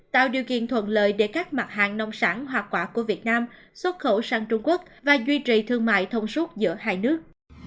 tạo điều kiện thuận lợi để các mặt hàng nông sản hoa quả của việt nam xuất khẩu sang trung quốc và duy trì thương mại thông suốt giữa hai nước